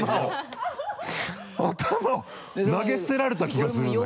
頭を投げ捨てられた気がするんだけど。